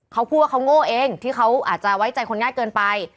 เขาพูดว่าเขาโง่เองที่เขาอาจจะไว้ใจคนง่ายเกินไป